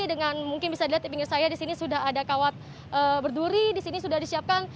dengan mungkin bisa dilihat di pinggir saya disini sudah ada kawat berduri disini sudah disiapkan